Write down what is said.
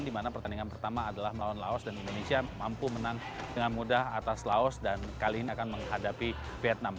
di mana pertandingan pertama adalah melawan laos dan indonesia mampu menang dengan mudah atas laos dan kali ini akan menghadapi vietnam